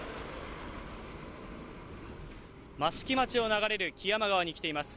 益城町を流れる木山川に来ています